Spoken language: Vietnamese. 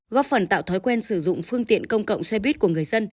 góp phần tạo thói quen sử dụng phương tiện công cộng xe buýt của người dân